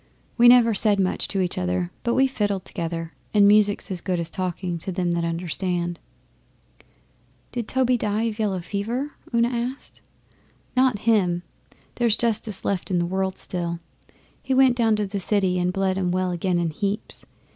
We never said much to each other, but we fiddled together, and music's as good as talking to them that understand.' 'Did Toby die of yellow fever?' Una asked. 'Not him! There's justice left in the world still. He went down to the City and bled 'em well again in heaps.